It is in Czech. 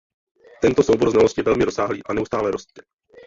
Tento soubor znalostí je velmi rozsáhlý a neustále rostě.